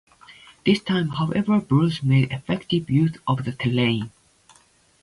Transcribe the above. This time, however, Bruce made effective use of the terrain.